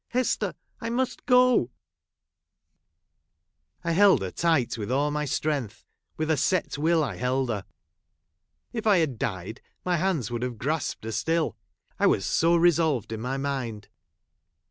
Hester, I must go !" I held her tight with all my strength ; with a set will, I held her. If I had died, my Ininds would have grasped her still ; I was so 1 ; resolved in my mind.